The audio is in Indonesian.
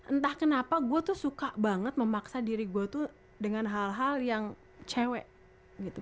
entah kenapa gue tuh suka banget memaksa diri gue tuh dengan hal hal yang cewek gitu